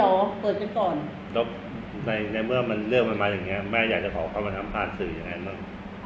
ต้องเปิดกันก่อนแล้วในเมื่อมันเรื่องมันมาอย่างเงี้ยแม่อยากจะขอความผิดทำผ่านสื่ออย่างงั้น